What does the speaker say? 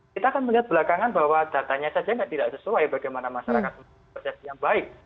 kita akan melihat belakangan bahwa datanya saja tidak sesuai bagaimana masyarakat persepsi yang baik